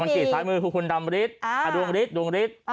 คุณกรรติดซ้ายมือคือคุณดำริสดวงริสดวงริส